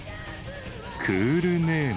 クール・ネーム。